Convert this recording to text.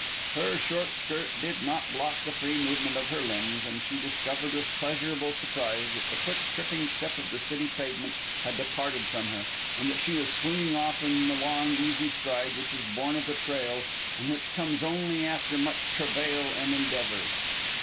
Her short skirt did not block the free movement of her limbs, and she discovered with pleasurable surprise that the quick tripping step of the city pavement had departed from her, and that she was swinging off in the long easy stride which is born of the trail and which comes only after much travail and endeavor.